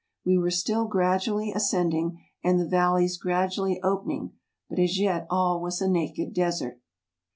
We were still gra¬ dually ascending, and the valleys gradually opening, but as yet all was a naked desert.